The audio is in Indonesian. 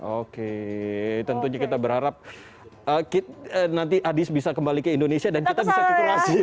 oke tentunya kita berharap nanti adis bisa kembali ke indonesia dan kita bisa ke klasik